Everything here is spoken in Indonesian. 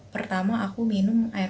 pertama aku minum air